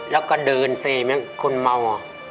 แล้วก็เดินเสมยังคุณเมา